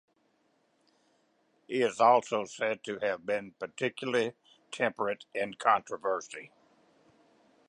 He is also said to have been particularly temperate in controversy.